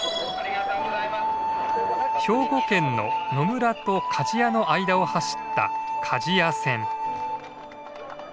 兵庫県の野村と鍛冶屋の間を走った鍛冶屋線。